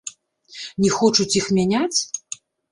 Не хочуць іх мяняць?